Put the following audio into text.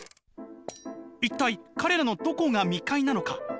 「一体彼らのどこが未開なのか？